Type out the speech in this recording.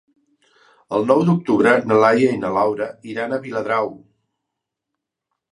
El nou d'octubre na Laia i na Laura iran a Viladrau.